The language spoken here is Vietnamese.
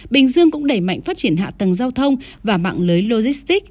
bình dương cũng đẩy mạnh phát triển hạ tầng giao thông và mạng lưới logistics